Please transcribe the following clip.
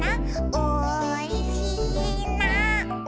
「おいしいな」